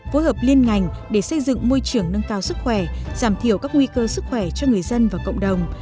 phối hợp liên ngành để xây dựng môi trường nâng cao sức khỏe giảm thiểu các nguy cơ sức khỏe cho người dân và cộng đồng